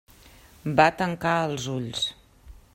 Va tancar els ulls.